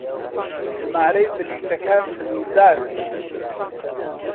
ژمارەی بلیتەکان سنوردار بوو.